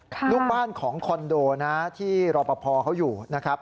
ลูกบ้านของคอนโดนะที่รอปภเขาอยู่นะครับ